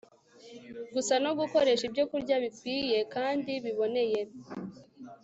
gusa no gukoresha ibyokurya bikwiriye kandi biboneye